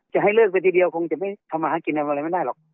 จะให้เลิกไปทีเดียวคงจะไม่ทำอาหารกินอะไรไม่ได้หรอก